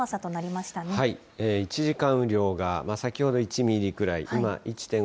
１時間雨量が先ほど１ミリくらい、今、１．５。